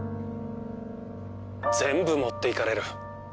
全部持っていかれる。